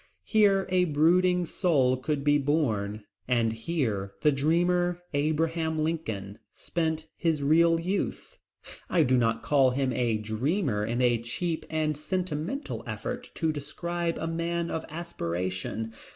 Here a brooding soul could be born, and here the dreamer Abraham Lincoln spent his real youth. I do not call him a dreamer in a cheap and sentimental effort to describe a man of aspiration.